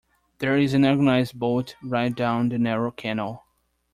There is an organized boat ride down the narrow canal.